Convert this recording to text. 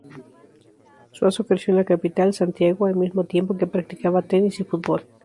Suazo creció en la capital, Santiago, al mismo tiempo que practicaba tenis y fútbol.